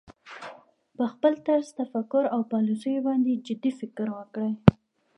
په خپل طرز تفکر او پالیسیو باندې جدي فکر وکړي